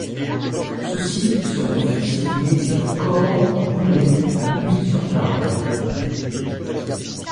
Ceux-ci seront fusillés et leurs corps brûlés à Buzet-sur-Tarn.